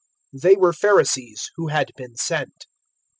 001:024 They were Pharisees who had been sent.